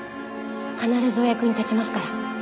必ずお役に立ちますから。